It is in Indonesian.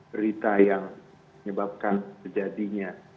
berita yang menyebabkan kejadinya